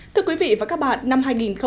thưa quý vị và các bạn năm hai nghìn một mươi tám